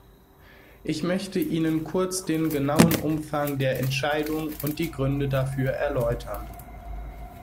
Ich möchte Ihnen kurz den genauen Umfang der Entscheidung und die Gründe dafür erläutern.